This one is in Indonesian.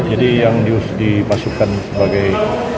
iya jadi yang diusirkan sebagai